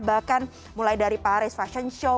bahkan mulai dari paris fashion show